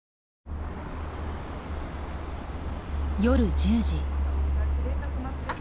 夜１０時。